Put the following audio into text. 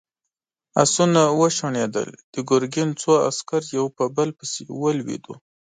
آسونه وشڼېدل، د ګرګين څو عسکر يو په بل پسې ولوېدل.